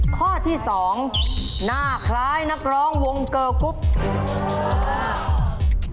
ข้อที่สองหน้าคล้ายนักร้องวงเกอร์กรุ๊ป